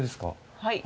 はい。